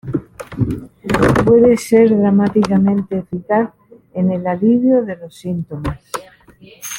Puede ser dramáticamente eficaz en el alivio de los síntomas.